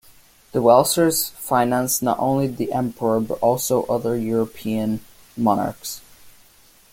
The Welsers financed not only the Emperor, but also other European monarchs.